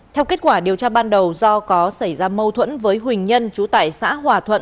theo kết quả điều tra ban đầu do có xảy ra mâu thuẫn với huỳnh nhân trú tại xã hòa thuận